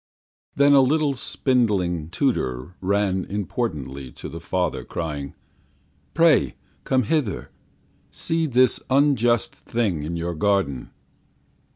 Then a little spindling tutor Ran importantly to the father, crying: "Pray, come hither! See this unjust thing in your garden!"